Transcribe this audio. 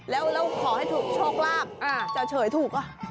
แล้วขอให้ถูกโชคลาภจะเฉยถูกป่ะ